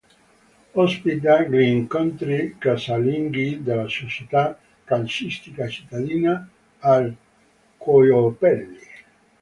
Ospita gli incontri casalinghi della società calcistica cittadina, la Cuoiopelli.